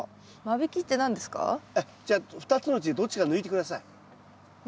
じゃあ２つのうちどっちか抜いて下さい。